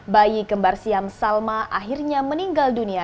bayi kembar siam salma akhirnya meninggal dunia